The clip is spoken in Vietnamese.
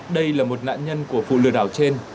đây là một nạn nhân của vụ lừa đảo trên